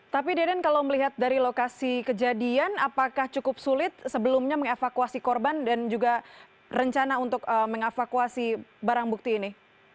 tapi deden kalau melihat dari lokasi kejadian apakah cukup sulit sebelumnya mengevakuasi korban dan juga rencana untuk mengevakuasi barang bukti ini